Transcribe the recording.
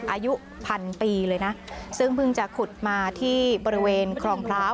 อายุพันปีเลยนะซึ่งเพิ่งจะขุดมาที่บริเวณคลองพร้าว